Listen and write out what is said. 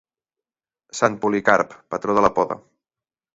Sant Policarp, patró de la poda.